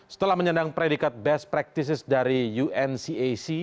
setelah menyandang predikat best practices dari uncac